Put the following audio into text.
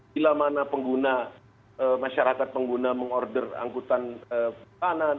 bila mana pengguna masyarakat pengguna meng order angkutan perpanan